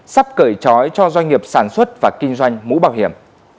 sắp cởi trói cho doanh nghiệp sản xuất và kinh doanh mũ bảo hiểm